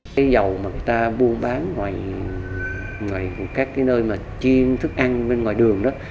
cái dầu mà người ta buôn bán ngoài các nơi chiên thức ăn bên ngoài đường đó